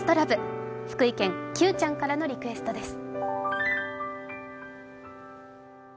福井県、Ｑちゃんからのリクエストです。